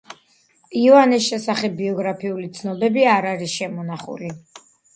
იოანეს შესახებ ბიოგრაფიული ცნობები არ არის შემონახული.